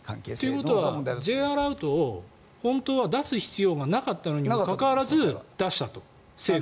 ということはＪアラートを本当は出す必要がなかったのにもかかわらず出したと、政府は。